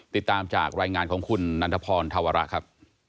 ติดตามจากรายงานของคุณนันทพรธวระครับ